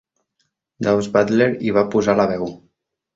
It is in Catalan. Daws Butler hi va posar la veu.